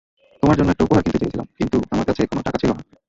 তোমার জন্য একটা উপহার কিনতে চেয়েছিলাম, কিন্তু আমার কাছে কোনো টাকা ছিল না।